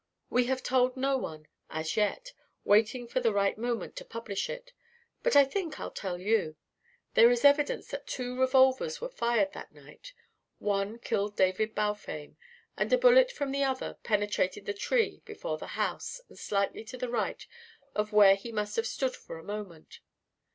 We have told no one as yet waiting for just the right moment to publish it. But I think I'll tell you. There is evidence that two revolvers were fired that night. One killed David Balfame, and a bullet from the other penetrated the tree before the house and slightly to the right of where he must have stood for a moment.